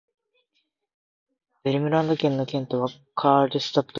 ヴェルムランド県の県都はカールスタッドである